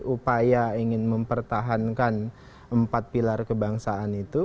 upaya ingin mempertahankan empat pilar kebangsaan itu